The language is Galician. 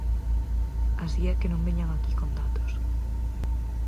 Así é que non veñan aquí con datos.